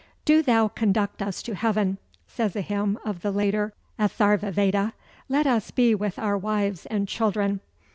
"Do thou conduct us to heaven," says a hymn of the later Atharva Veda; "let us be with our wives and children."